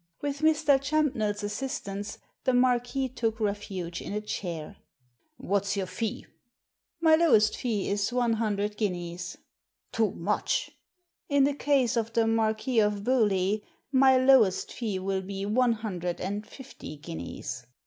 With Mr. Champnell's assistance the Marquis took refuge in a chair. « What's your fee?" " My lowest fee is one hundred guineas." " Too much." " In the case of the Marquis of Bewlay my lowest fee will be one hundred and fifty guineas."